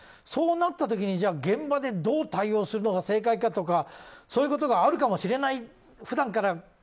そうなった時に現場でどう対応するのが正解かとかそういうことがあるかもしれないと普段から